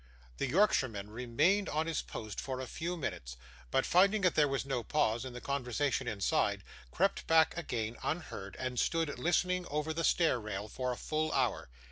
The Yorkshireman remained on his post for a few minutes, but, finding that there was no pause in the conversation inside, crept back again unheard, and stood, listening over the stair rail, for a full hour.